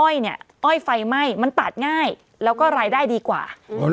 อ้อยไฟไหม้มันตัดง่ายแล้วก็รายได้ดีกว่า